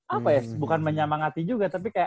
apa ya bukan menyemangati juga tapi kayak